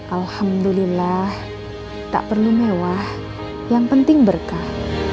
alhamdulillah tak perlu mewah yang penting berkah